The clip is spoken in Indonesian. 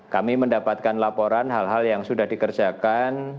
kami mendapatkan laporan hal hal yang sudah dikerjakan